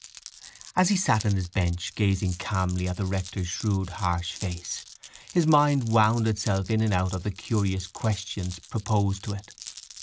As he sat in his bench gazing calmly at the rector's shrewd harsh face his mind wound itself in and out of the curious questions proposed to it.